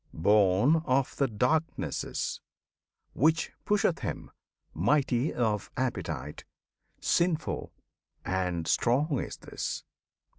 born of the Darknesses, Which pusheth him. Mighty of appetite, Sinful, and strong is this!